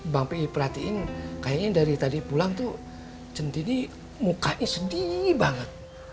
bang pi perhatiin kayaknya dari tadi pulang tuh sendiri mukanya sedih banget